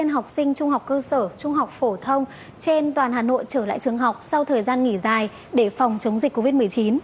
một trăm linh học sinh trung học cơ sở trung học phổ thông trên toàn hà nội trở lại trường học sau thời gian nghỉ dài để phòng chống dịch covid một mươi chín